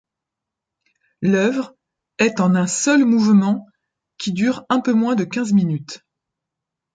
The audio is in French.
L’œuvre est en un seul mouvement qui dure un peu moins de quinze minutes.